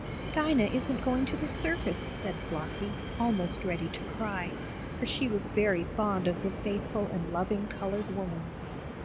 "Dinah isn't going to the circus," said Flossie, almost ready to cry, for she was very fond of the faithful and loving colored woman.